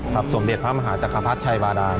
สมเด็จพระมหาจักรพรรดิชัยบาดา